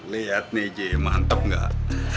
lihat nih ji mantep gak